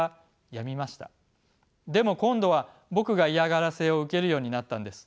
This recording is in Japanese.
でも今度は僕が嫌がらせを受けるようになったんです。